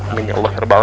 amin ya allah